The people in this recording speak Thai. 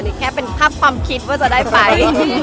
แค่เป็นภาพความคิดว่าจะได้ไป